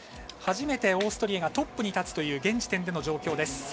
初めてオーストリアがトップに立つという現時点での状況です。